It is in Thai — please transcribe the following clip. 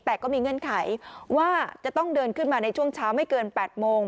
แต่ก็มีเงื่อนไขว่าจะต้องเดินขึ้นมาในช่วงเช้าไม่เกิน๘โมง